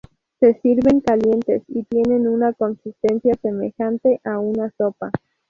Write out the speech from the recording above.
Se sirven calientes y tienen una consistencia semejante a una sopa.